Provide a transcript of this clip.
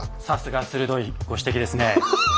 さすが鋭いご指摘ですねえ。